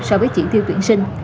so với chỉ tiêu tuyển sinh